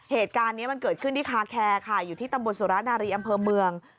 เหตุการณ์นี้มันเกิดขึ้นที่คาแคร์ค่ะอยู่ที่ตำบลสุรนารีอำเภอเมือง